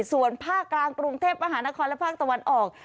ส่วนภาคกลางกรุงเทพมหานครและภาคตะวันออก